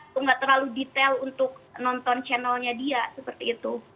aku nggak terlalu detail untuk nonton channelnya dia seperti itu